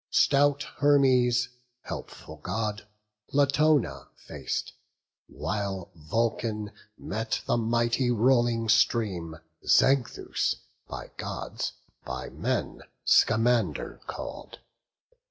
Stout Hermes, helpful God, Latona fac'd; While Vulcan met the mighty rolling stream, Xanthus by Gods, by men Scamander call'd.